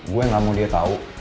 gue gak mau dia tau